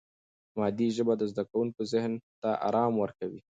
مادي ژبه د زده کوونکي ذهن ته آرام ورکوي.